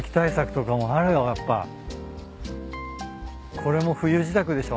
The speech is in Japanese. これも冬支度でしょ？